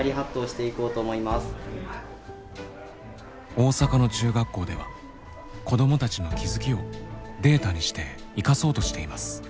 大阪の中学校では子どもたちの気付きをデータにして生かそうとしています。